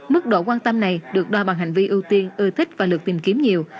mức độ quan tâm này được đo bằng hành vi ưu tiên ưu thích và lượt tìm kiếm nhiều